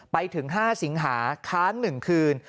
ไปถึง๕สิงหาค้าง๑คืน